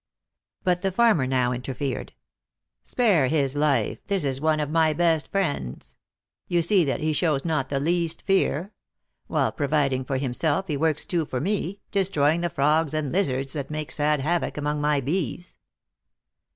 But the farmer now interfered :" Spare his life, this is one of my best friends. You see that he shows not the least fear. While providing for himself, he works too for me, destroying the frogs and lizards that make sad havoc among my bees."